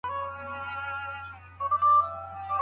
ميرمن بايد وپوهوله سي، چي خاوند راڅخه ناراض دی.